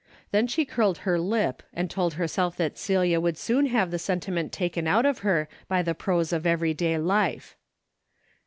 Then she curled her lip and told herself that Celia would soon have the sentiment taken out of her by the prose of everyday life.